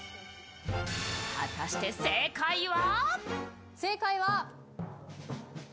果たして正解は？